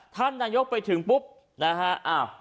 ท่านนายกไปถึงปุ๊บนะฮะ